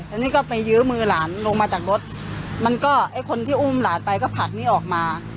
อันนี้ก็ไปยื้อมือหลานลงมาจากรถมันก็ไอ้คนที่อุ้มหลานไปก็ผลักนี่ออกมา